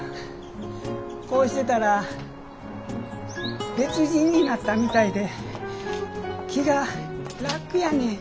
こうしてたら別人になったみたいで気が楽やねん。